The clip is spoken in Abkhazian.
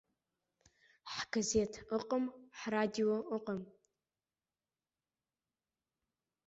Ҳгазеҭ ыҟам, ҳрадио ыҟам.